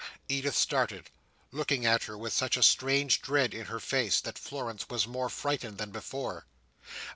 Edith started; looking at her with such a strange dread in her face, that Florence was more frightened than before.